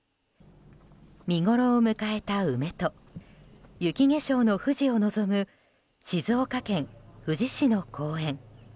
見ごろを迎えた梅と雪化粧の富士を望む静岡県富士市の公園。